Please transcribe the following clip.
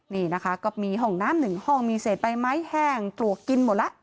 นี่นะคะก็มีห้องน้ำหนึ่งห้องมีเศษใบไม้แห้งปลวกกินหมดแล้ว